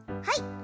はい！